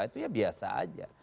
itu ya biasa saja